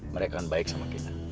mereka akan baik sama kita